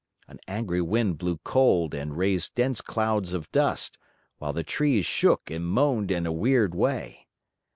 An angry wind blew cold and raised dense clouds of dust, while the trees shook and moaned in a weird way.